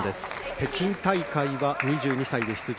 北京大会は２２歳で出場。